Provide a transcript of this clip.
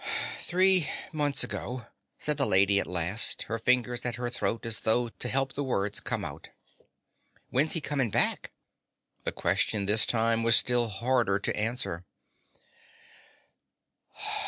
"Three months ago," said the lady at last, her fingers at her throat as though to help the words come out. "When's he coming back?" The question this time was still harder to answer.